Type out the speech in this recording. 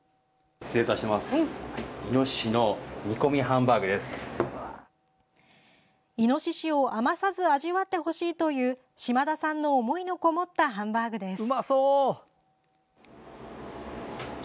いのししを余さず味わってほしいという島田さんの思いのこもったハンバーグです。